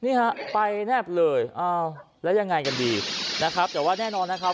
นี่ฮะไปแนบเลยอ้าวแล้วยังไงกันดีนะครับแต่ว่าแน่นอนนะครับ